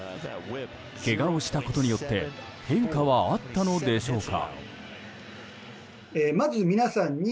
けがをしたことによって変化はあったのでしょうか。